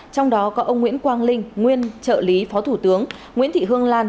trong đó có ông nguyễn quang linh nguyên trợ lý phó thủ tướng nguyễn thị hương lan